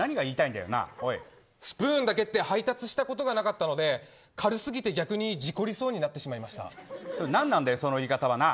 スプーンだけって配達したことがなかったので軽すぎて逆に事故りそうにその言い方は、何なんだよ。